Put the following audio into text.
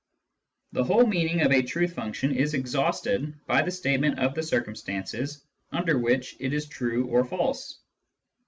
The whole meaning of a truth function is exhausted by the statement of the circumstances, under which it is true or false.